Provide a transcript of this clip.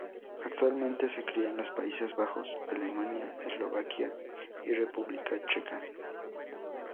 Actualmente se cría en los Países Bajos, Alemania, Eslovaquia y República Checa.